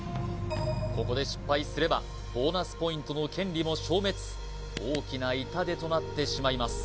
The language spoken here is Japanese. ここで失敗すればボーナスポイントの権利も消滅大きな痛手となってしまいます